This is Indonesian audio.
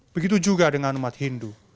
begitu juga dengan umat hindu